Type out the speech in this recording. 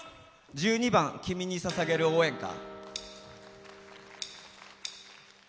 １２番「君に捧げる応援歌」。